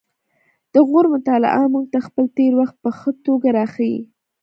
د غور مطالعه موږ ته خپل تیر وخت په ښه توګه راښيي